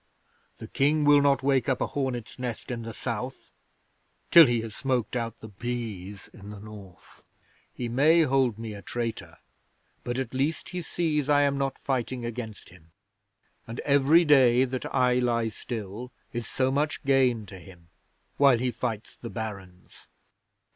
The King will not wake up a hornets' nest in the South till he has smoked out the bees in the North. He may hold me a traitor; but at least he sees I am not fighting against him; and every day that I lie still is so much gain to him while he fights the Barons.